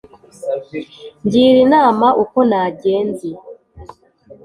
Ngira inama uko nagenzi